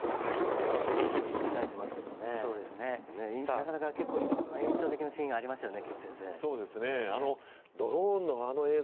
なかなか結構、色んな印象的なシーンがありますよね。